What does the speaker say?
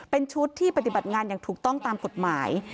เป็นชุดที่ปฏิบัติงานอย่างถูกต้องตามกฎหมาย